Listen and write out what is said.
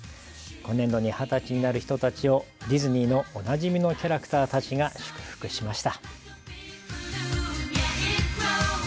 今年度に二十歳になる人たちをディズニーのおなじみのキャラクターたちが祝福しました。